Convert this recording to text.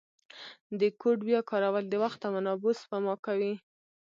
د کوډ بیا کارول د وخت او منابعو سپما کوي.